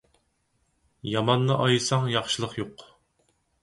ياماننى ئايىساڭ ياخشىلىق يوق.